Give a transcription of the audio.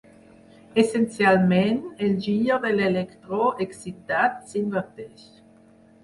Essencialment, el gir de l'electró excitat s'inverteix.